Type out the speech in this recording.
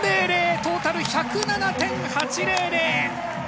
トータル１０７．８００。